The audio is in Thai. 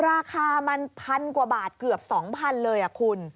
ราคามัน๑๐๐๐จอบกว่าบาทคือ๒๐๐๐เลยคุณ